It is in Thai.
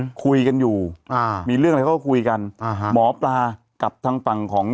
คุยกันอยู่อ่ามีเรื่องอะไรเขาก็คุยกันอ่าฮะหมอปลากับทางฝั่งของ